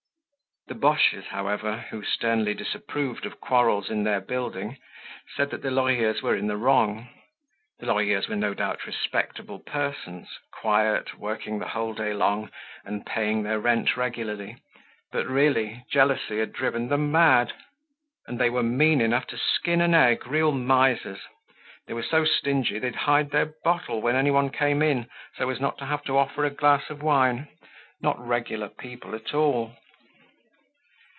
The Boches, however, who sternly disapproved of quarrels in their building, said that the Lorilleuxs were in the wrong. The Lorilleuxs were no doubt respectable persons, quiet, working the whole day long, and paying their rent regularly. But, really, jealousy had driven them mad. And they were mean enough to skin an egg, real misers. They were so stingy that they'd hide their bottle when any one came in, so as not to have to offer a glass of wine—not regular people at all.